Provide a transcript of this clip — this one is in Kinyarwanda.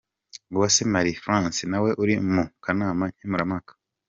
Uwase Marie France nawe uri mu kanama nkemurampaka.